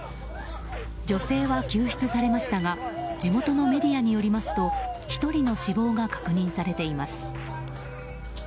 女性は救出されましたが地元のメディアによりますと１人の死亡が確認されています。